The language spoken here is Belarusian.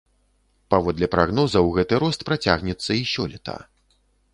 Паводле прагнозаў, гэты рост працягнецца і сёлета.